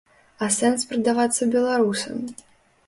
А сэнс прадавацца беларусам?